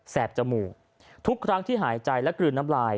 จมูกทุกครั้งที่หายใจและกลืนน้ำลาย